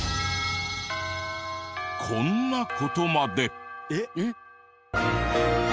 こんな事まで。